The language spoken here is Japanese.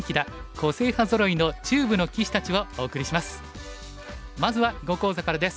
個性派ぞろいの中部の棋士たち」をお送りします。